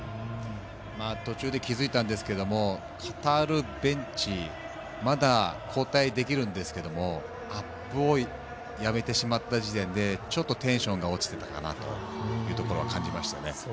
途中で気付いたんですがカタールベンチまだ交代できるんですけどもアップをやめてしまった時点でちょっとテンションが落ちていたかなと感じましたね。